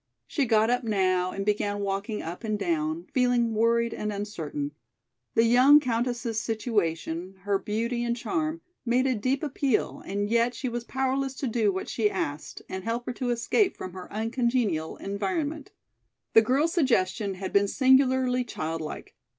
She got up now and began walking up and down, feeling worried and uncertain. The young countess's situation, her beauty and charm, made a deep appeal and yet she was powerless to do what she asked and help her to escape from her uncongenial environment. The girl's suggestion had been singularly childlike.